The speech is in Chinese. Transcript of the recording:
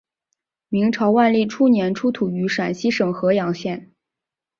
明朝万历初年出土于陕西省郃阳县。